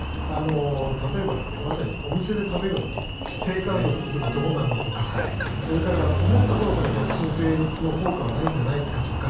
例えば、まさにお店で食べるのとテイクアウトする時どうなるのとかそれから思ったほど逆進性の効果はないんじゃないかとか。